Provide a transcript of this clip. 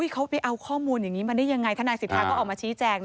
เขาไปเอาข้อมูลอย่างนี้มาได้ยังไงทนายสิทธาก็ออกมาชี้แจง